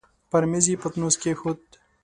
پر مېز يې پتنوس کېښود.